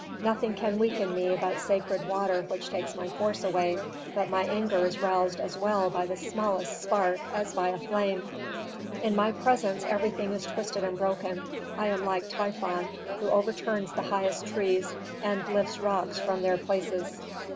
"Nothing can weaken me but sacred water which takes my force away. But my anger is roused as well by the smallest spark as by a flame. "In my presence everything is twisted and broken. I am like Typhon, who overturns the highest trees and lifts rocks from their places."